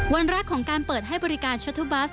วันแรกของการเปิดให้บริการโชทเทอร์บัส